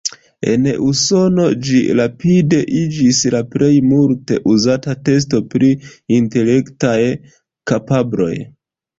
En Usono ĝi rapide iĝis la plej multe uzata testo pri intelektaj kapabloj.